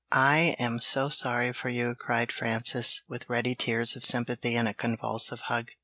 I am so sorry for you!" cried Frances, with ready tears of sympathy and a convulsive hug.